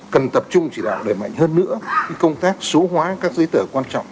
cần tập trung chỉ đạo đẩy mạnh hơn nữa công tác số hóa các giấy tờ quan trọng